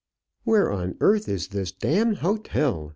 "Where on earth is this d hotel?"